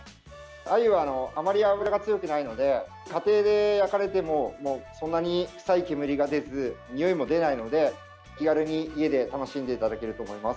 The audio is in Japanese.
アユはあまり脂が強くないので家庭で焼かれてもそんなにくさい煙が出ずにおいも出ないので気軽に家で楽しんでいただけると思います。